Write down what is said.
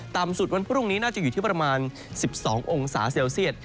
ต่ำสุดวันพรุ่งนี้น่าจะอยู่ที่ประมาณ๑๒องศาเซลเซียต